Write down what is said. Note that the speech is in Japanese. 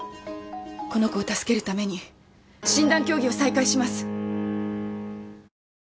この子を助けるために診断協議を再開します。